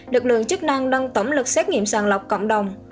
được lượng chức năng nâng tổng lực xét nghiệm sàn lọc cộng đồng